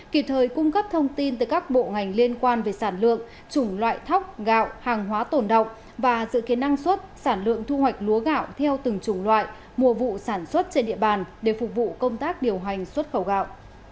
kịp thời cung cấp thông tin tới các bộ ngành liên quan về sản lượng chủng loại thóc gạo hàng hóa tổn động và dự kiến năng suất sản lượng thu hoạch lúa gạo theo từng chủng loại mùa vụ sản xuất trên địa bàn để phục vụ công tác điều hành xuất khẩu gạo